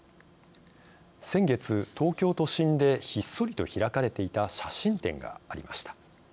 先月、東京都心でひっそりと開かれていた写真展がありました。